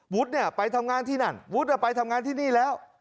เนี่ยไปทำงานที่นั่นวุฒิไปทำงานที่นี่แล้ว